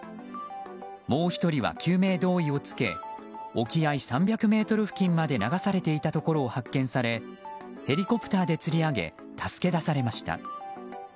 もう１人は救命胴衣を着け沖合３００ｍ付近まで流されていたところを発見されヘリコプターでつり上げ助け出されました。